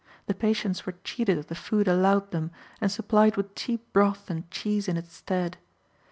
The patients were cheated of the food allowed them, and supplied with cheap broth and cheese in its stead.